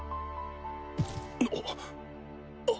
あっ。